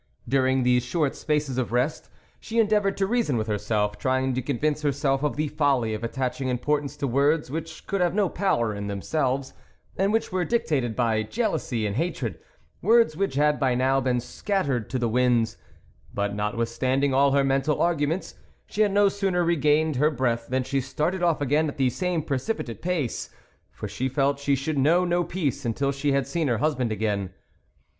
During these short spaces of rest, she endeavoured to reason with herself, trying to convince herself of the folly of attach ing importance to words which could have no power in themselves, and which were dictated by jealousy and hatred, words which had by now been scattered to the winds ; but notwithstanding all her mental arguments, she had no sooner regained her breath than she started off again at the same precipitate pace, for she felt she should know no peace until she had seen her husband again.